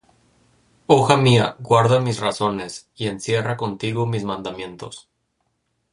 Hoja mía, guarda mis razones, Y encierra contigo mis mandamientos.